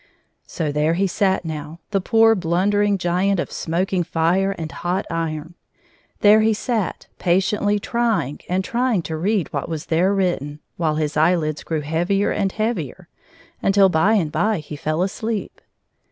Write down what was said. So there he sat now, the poor, blundering giant of smoking fire and hot iron — there he sat, pa tiently trying and tr3dng to read what was there written, while his eyelids grew heavier and heavier, until by and by he fell asleep.